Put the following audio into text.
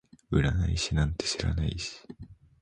占い師なんて知らないし